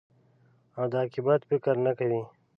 او د عاقبت فکر نه کوې.